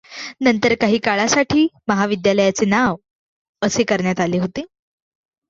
नंतर काही काळासाठी महाविद्यालयाचे नाव असे करण्यात आले होते.